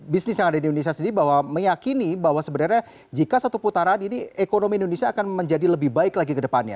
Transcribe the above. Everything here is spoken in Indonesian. bisnis yang ada di indonesia sendiri bahwa meyakini bahwa sebenarnya jika satu putaran ini ekonomi indonesia akan menjadi lebih baik lagi ke depannya